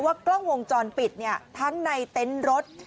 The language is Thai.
ว่ากล้องวงจรปิดเนี่ยทั้งในเต็นต์รถ